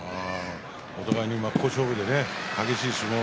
お互い真っ向勝負激しい相撲